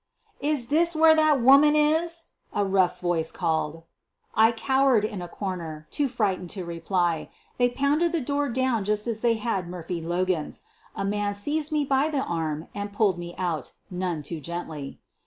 "Is this where that woman isf" a rough voice, called. I cowered in a corner, too frightened to reply, They pounded the door down just as they had Murphy Logan's. A man seized me by the arm and pulled me out, none too gently.